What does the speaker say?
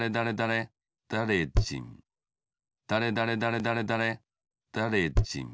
だれだれだれだれだれじん。